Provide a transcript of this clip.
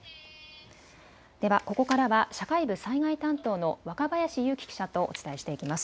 ではここからは社会部災害担当の若林勇希記者とお伝えしていきます。